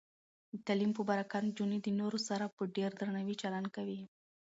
د تعلیم په برکت، نجونې د نورو سره په ډیر درناوي چلند کوي.